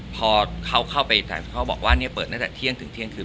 พอเขาเข้าไปแต่เขาบอกว่าเนี่ยเปิดตั้งแต่เที่ยงถึงเที่ยงคืน